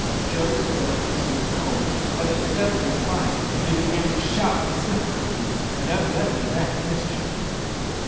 Joe's story was soon told; but instead of replying, they began to shout vociferously, and evidently meant mischief.